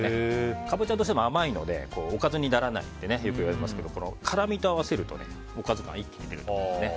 カボチャはどうしても甘いのでおかずにならないってよく言われますけど辛みと合わせると、おかず感が一気に出ると思います。